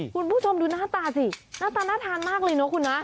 คุณผู้ชมดูหน้าตาสิหน้าตาน่าทานมากเลยเนอะคุณนะ